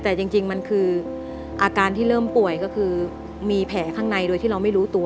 แต่จริงมันคืออาการที่เริ่มป่วยก็คือมีแผลข้างในโดยที่เราไม่รู้ตัว